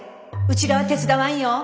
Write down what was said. うちらは手伝わんよ。